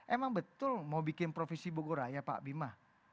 emang betul mau bikin provinsi bogoraya pak bima